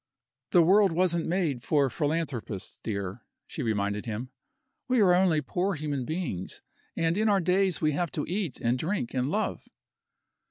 "The world wasn't made for philanthropists, dear," she reminded him. "We are only poor human beings, and in our days we have to eat and drink and love."